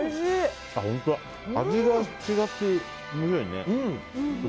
味が違って面白いね。